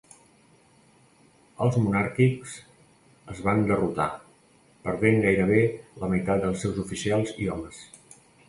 Els monàrquics es van derrotar, perdent gairebé la meitat dels seus oficials i homes.